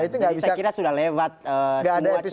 jadi saya kira sudah lewat semua cerita yang besar gitu ya